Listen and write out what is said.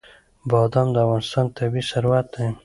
بادام د افغانستان طبعي ثروت دی.